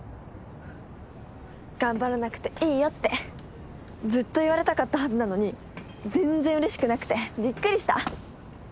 頑張らなくていいよってずっと言われたかったはずなのに全然うれしくなくてびっくりした。